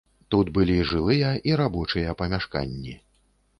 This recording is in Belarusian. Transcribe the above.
Тут былі жылыя і рабочыя памяшканні.